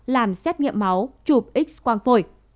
làm xét nghiệm máu chụp x quang phổi